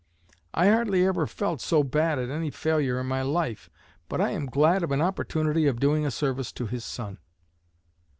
I hardly ever felt so bad at any failure in my life. But I am glad of an opportunity of doing a service to his son."